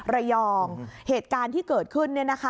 ระยองเหตุการณ์ที่เกิดขึ้น